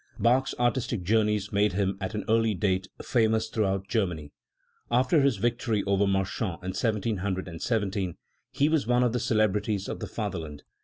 "* Bach's artistic journey's made him, at an early date, famous throughout Germany. After his victory over Marchand in 1717 he was one of the celebrities of .the fatherland.